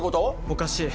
・おかしい